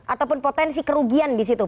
ataupun potensi kerugian di situ